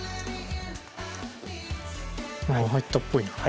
ああ入ったっぽいな。